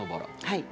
はい。